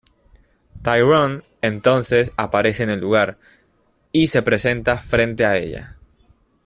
Tyrion entonces aparece en el lugar y se presenta frente a ella.